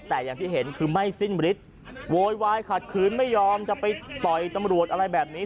แต่อย่างที่เห็นคือไม่สิ้นฤทธิ์โวยวายขัดขืนไม่ยอมจะไปต่อยตำรวจอะไรแบบนี้